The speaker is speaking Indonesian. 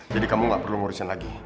jadi kamu enggak perlu ngurusin lagi